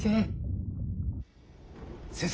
先生？